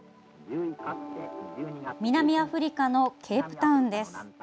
南アフリカのケープタウンです。